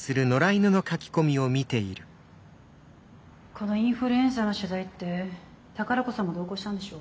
このインフルエンサーの取材って宝子さんも同行したんでしょ？